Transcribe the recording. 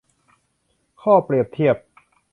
ข้อเปรียบเทียบ